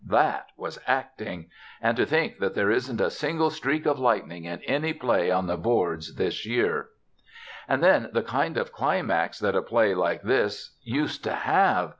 That was acting! And to think that there isn't a single streak of lightning in any play on the boards this year! And then the kind of climax that a play like this used to have!